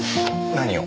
何を？